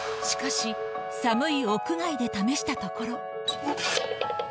しかし、寒い屋外で試したところ。